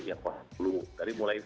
yang waktu jadi mulai